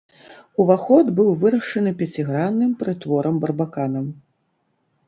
Уваход быў вырашаны пяцігранным прытворам-барбаканам.